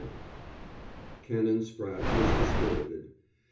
X Canon Spratte was dispirited.